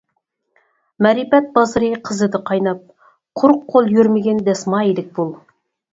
مەرىپەت بازىرى قىزىدى قايناپ، قۇرۇق قول يۈرمىگىن دەسمايىلىك بول.